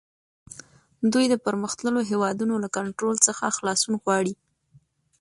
دوی د پرمختللو هیوادونو له کنټرول څخه خلاصون غواړي